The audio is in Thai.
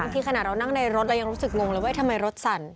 ทีขนาดเรานั่งในรถเรายังรู้สึกงงเลยว่าทำไมรถสั่น